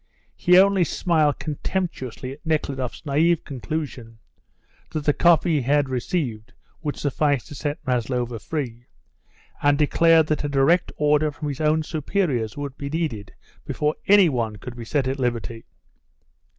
He only smiled contemptuously at Nekhludoff's naive conclusion, that the copy he had received would suffice to set Maslova free, and declared that a direct order from his own superiors would be needed before any one could be set at liberty.